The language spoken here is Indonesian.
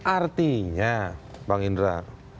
artinya bang indra